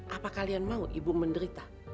apa kalian mau ibu menderita